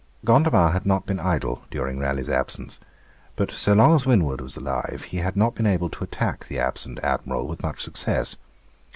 Gondomar had not been idle during Raleigh's absence, but so long as Winwood was alive he had not been able to attack the absent Admiral with much success.